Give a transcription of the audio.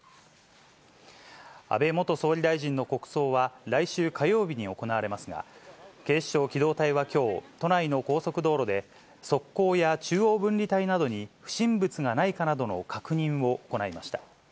安倍元総理大臣の国葬は、来週火曜日に行われますが、警視庁機動隊はきょう、都内の高速道路で、側溝や中央分離帯などに不審物がないかなどの確認を行いました。